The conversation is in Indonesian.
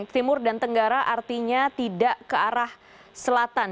timur dan tenggara artinya tidak ke arah selatan